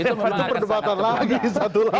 itu perdebatan lagi satu